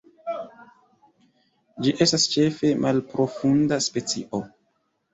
Ĝi estas ĉefe malprofunda specio.